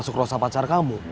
masuk masuk rosa pacar kamu